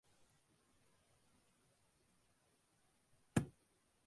அதாவது நிலம், பொன், பொருள் ஆகியவைகளைத் தனிமனிதர்கள் தத்தம் உடைமையாக்கிக் கொள்ளப் போரிடுகின்றனர்.